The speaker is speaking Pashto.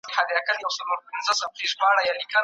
د دورکهايم کارونه ستايل سوي دي.